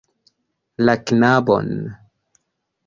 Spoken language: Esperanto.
La knabon.